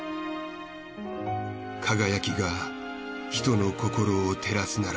輝きが人の心を照らすなら。